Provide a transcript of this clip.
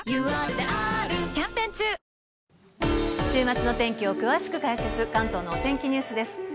週末の天気を詳しく解説、関東のお天気ニュースです。